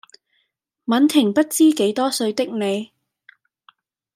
吻停不知幾多歲的你